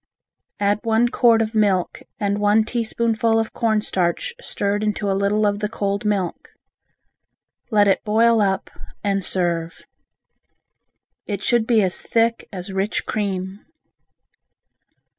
Add one quart of milk and one teaspoonful of cornstarch stirred into a little of the cold milk. Let it boil up, and serve. It should be as thick as rich cream.